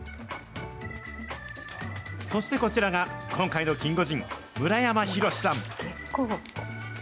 そしてこちらが今回のキンゴジン、村山寛さん。